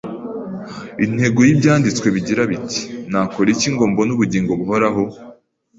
intego y’Ibyanditswe bigira biti, ‘Nakora iki ngo mbone ubugingo buhoraho